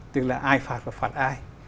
tức là ai phạt là phạt ai